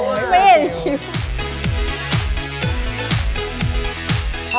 ไม่เห็นคิ้ว